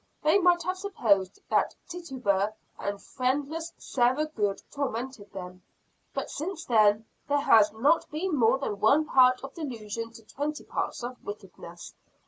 "They might have supposed that Tituba and friendless Sarah Good tormented them but since then, there has not been more than one part of delusion to twenty parts of wickedness.